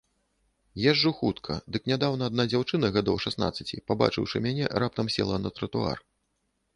Езджу хутка, дык нядаўна адна дзяўчына гадоў шаснаццаці, пабачыўшы мяне, раптам села на тратуар.